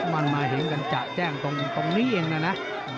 มันมาเห็นกันจะแจ้งตรงนี้เองนะนะ